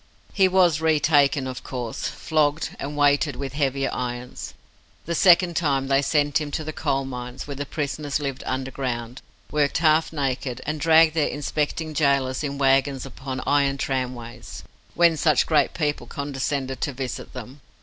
He was retaken, of course, flogged, and weighted with heavier irons. The second time, they sent him to the Coal Mines, where the prisoners lived underground, worked half naked, and dragged their inspecting gaolers in wagons upon iron tramways, when such great people condescended to visit them.